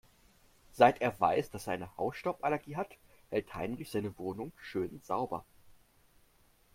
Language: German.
Seit er weiß, dass er eine Hausstauballergie hat, hält Heinrich seine Wohnung schön sauber.